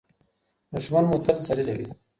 دښمن مو تل ذليله وي.